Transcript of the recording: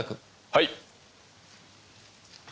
はい。